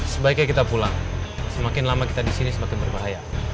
sebaiknya kita pulang semakin lama kita disini semakin berbahaya